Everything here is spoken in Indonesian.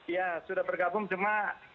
ya sudah bergabung cuma